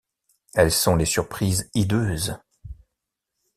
Elles sont les surprises hideuses.